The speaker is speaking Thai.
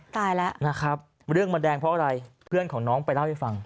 ตายแล้วนะครับเรื่องมันแดงเพราะอะไรเพื่อนของน้องไปเล่าให้ฟัง